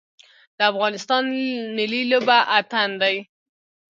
د افغانستان ملي لوبه اتن دی